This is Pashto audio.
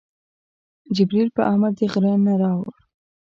جبریل په امر د غره نه راوړ.